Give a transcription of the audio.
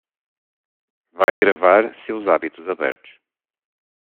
Vai gravar seus hábitos abertos